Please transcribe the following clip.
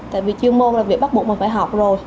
tại vì chuyên môn là việc bắt buộc mình phải học rồi